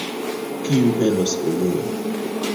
Kiu venos unue?